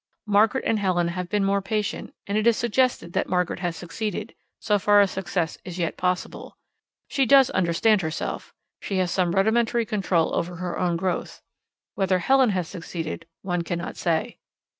Margaret and Helen have been more patient, and it is suggested that Margaret has succeeded so far as success is yet possible. She does understand herself, she has some rudimentary control over her own growth. Whether Helen has succeeded one cannot say.